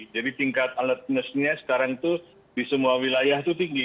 jadi tingkat alertness nya sekarang itu di semua wilayah itu tinggi